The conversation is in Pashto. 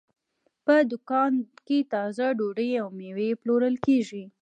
په دوکان کې تازه ډوډۍ او مېوې پلورل کېږي.